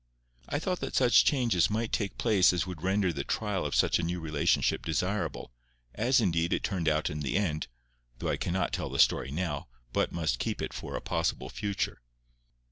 I thought that such changes might take place as would render the trial of such a new relationship desirable; as, indeed, it turned out in the end, though I cannot tell the story now, but must keep it for a possible future.